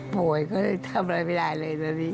ป่วยก็ทำอะไรไม่ได้เลยตอนนี้